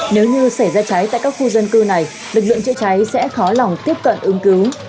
nếu như xảy ra cháy tại các khu dân cư này lực lượng chữa cháy sẽ khó lòng tiếp cận ứng cứu